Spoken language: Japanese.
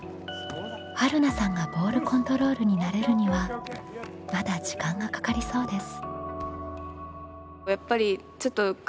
はるなさんがボールコントロールに慣れるにはまだ時間がかかりそうです。